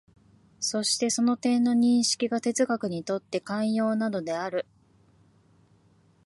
そしてその点の認識が哲学にとって肝要なのである。